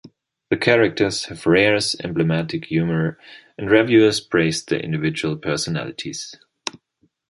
The characters have Rare's emblematic humor, and reviewers praised their individual personalities.